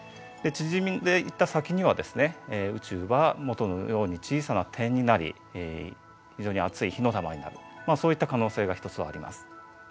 で縮んでいった先にはですね宇宙は元のように小さな点になり非常に熱い火の玉になるそういった可能性が一つはあります。